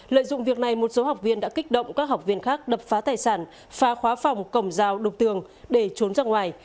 lợi dụng việc này một số học viên đã kích động các học viên khác đập phá tài sản phá khóa phòng cổng rào đục tường để trốn ra ngoài